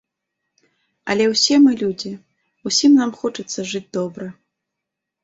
Але ўсе мы людзі, усім нам хочацца жыць добра.